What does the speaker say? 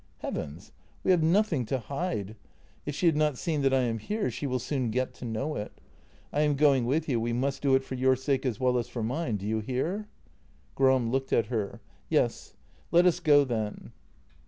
"Heavens! we have nothing to hide. If she had not seen that I am here she will soon get to know it. I am going with you ; we must do it for your sake as well as for mine — do you hear? " Gram looked at her: " Yes, let us go, then."